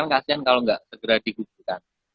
kasian kalau gak segera dikuburkan